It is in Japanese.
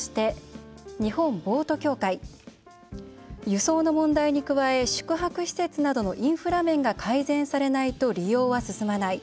輸送の問題に加え宿泊施設などのインフラ面が改善されないと利用は進まない。